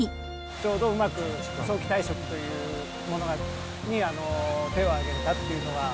ちょうどうまく、早期退職というものに手を挙げれたっていうのが。